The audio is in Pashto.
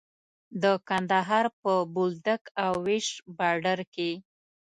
د کندهار په بولدک او ويش باډر کې.